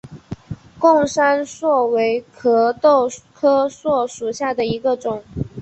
贡山栎为壳斗科栎属下的一个种。